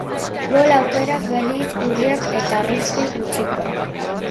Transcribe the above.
Gol aukerak, berriz, urriak eta arrisku gutxikoak.